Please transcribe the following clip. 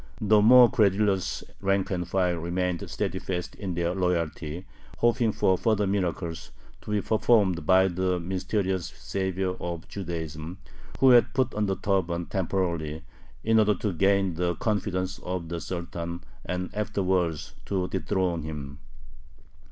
The more credulous rank and file remained steadfast in their loyalty, hoping for further miracles, to be performed by the mysterious savior of Judaism, who had "put on the turban" temporarily in order to gain the confidence of the Sultan and afterwards to dethrone him.